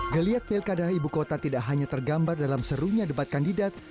geliat pilkada ibu kota tidak hanya tergambar dalam serunya debat kandidat